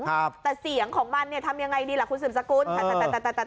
แต่เสียงของมันทำยังไงดีล่ะคุณผู้ชมสกุล